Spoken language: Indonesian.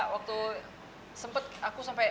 waktu sempat aku sampai